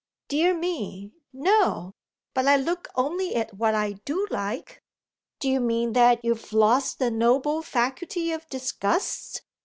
"Dear me, no! But I look only at what I do like." "Do you mean that you've lost the noble faculty of disgust?"